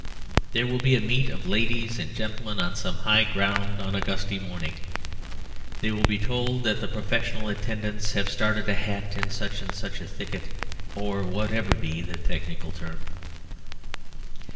There will be a meet of ladies and gentlemen on some high ground on a gusty morning. They will be told that the professional attendants have started a hat in such and such a thicket, or whatever be the technical term.